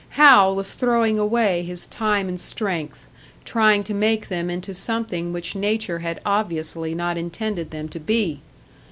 Hal was throwing away his time and strength, trying to make them into something which Nature had obviously not intended them to be!